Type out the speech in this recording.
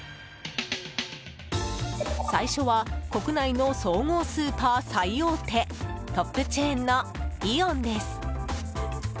最初は国内の総合スーパー最大手トップチェーンのイオンです。